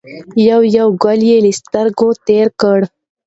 یو یو ګل یې له سترګو تېر کړ.